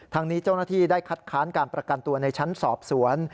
ทางนี้เจ้าหน้าที่ได้คัดค้านการประกันตัวในชั้นสอบสวน